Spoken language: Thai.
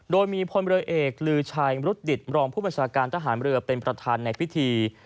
โดยมีพลเรือเอกลือชัยมรุฑดิตรองผู้บัญชาการทหารเรือเป็นประธานในพิธี